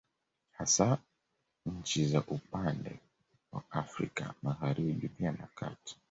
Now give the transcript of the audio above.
Hasa nchi za upande wa Afrika Magharibi pia na kati